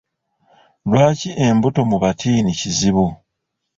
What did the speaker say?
Lwaki embuto mu batiini kizibu?